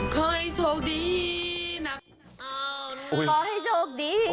ขอให้โชคดี